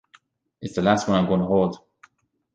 It's the last one I'm going to hold.